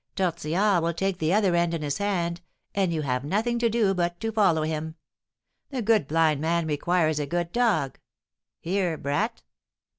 Tortillard will take the other end in his hand, and you have nothing to do but to follow him. The good blind man requires a good dog! Here, brat!"